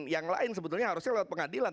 yang lain sebetulnya harusnya lewat pengadilan